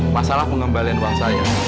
masalah pengembalian ruang saya